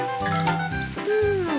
うん。